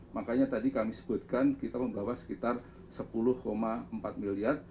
makanya tadi kami sebutkan kita membawa sekitar sepuluh empat miliar